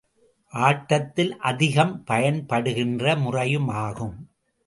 ஆட்டத்தில் அதிகம் பயன்படுகின்ற முறையுமாகும்.